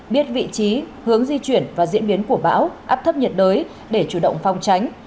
biết vị trí hướng di chuyển và diễn biến của bão áp thấp nhiệt đới để chủ động phong tránh